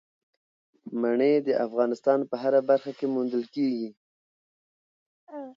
منی د افغانستان په هره برخه کې موندل کېږي.